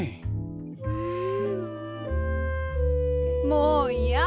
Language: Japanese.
もういや！